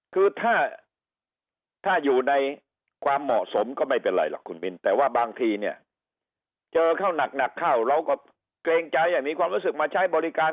คือถ้าอยู่ในความเหมาะสมก็ไม่เป็นไรหรอกคุณมินแต่ว่าบางทีเนี่ยเจอเข้าหนักเข้าเราก็เกรงใจมีความรู้สึกมาใช้บริการ